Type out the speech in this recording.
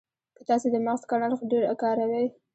که تاسې د مغز کڼ اړخ ډېر کاروئ.